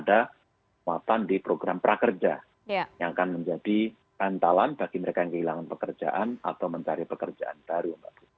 dan juga ada kesempatan di program prakerja yang akan menjadi pantalan bagi mereka yang kehilangan pekerjaan atau mencari pekerjaan baru